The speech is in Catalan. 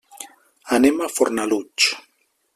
Anem a Fornalutx.